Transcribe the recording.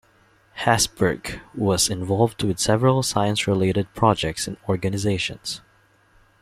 Hesburgh was involved with several science-related projects and organizations.